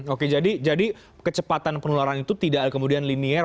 oke jadi kecepatan penularan itu tidak kemudian linear